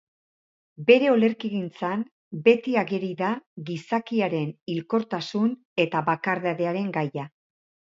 Bere olerkigintzan beti ageri da gizakiaren hilkortasun eta bakardadearen gaia.